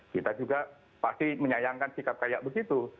kita juga pasti menyayangkan sikap kayak begitu